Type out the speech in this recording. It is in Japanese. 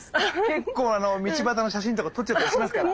結構道端の写真とか撮っちゃったりしますから。